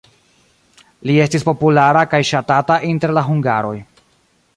Li estis populara kaj ŝatata inter la hungaroj.